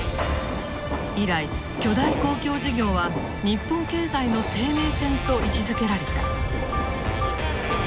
以来巨大公共事業は日本経済の生命線と位置づけられた。